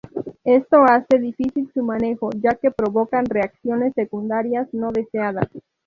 Esto hace difícil su manejo ya que provocan reacciones secundarias no deseadas.